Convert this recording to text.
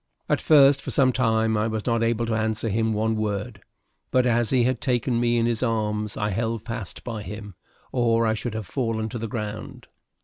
At first, for some time, I was not able to answer him one word; but as he had taken me in his arms, I held fast by him, or I should have fallen to the ground.